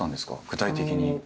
具体的に。